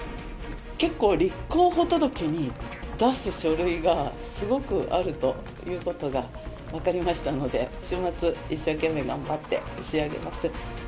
結構立候補届に出す書類がすごくあるということが分かりましたので、週末、一生懸命頑張って仕上げます。